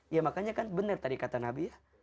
ya makanya kan benar tadi kata nabi ya